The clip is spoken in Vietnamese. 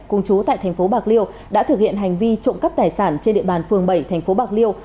cùng chú tại tp bạc liêu đã thực hiện hành vi trộm cắp tài sản trên địa bàn phường bảy tp bạc liêu